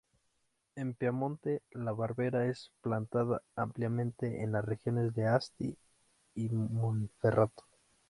En Piamonte, la barbera es plantada ampliamente en las regiones de Asti y Monferrato.